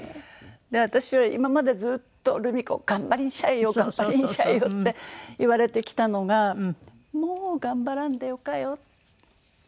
私は今までずっと「ルミ子頑張りんしゃいよ頑張りんしゃいよ」って言われてきたのが「もう頑張らんでよかよ」。